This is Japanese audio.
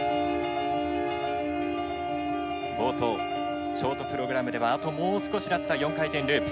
冒頭ショートプログラムではあともう少しだった４回転ループ。